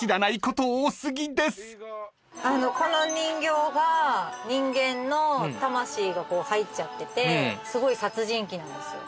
この人形が人間の魂が入っちゃっててすごい殺人鬼なんですよ。